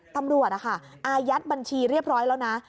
ตำรวจอายัดบัญชีเรียบร้อยแล้วนะ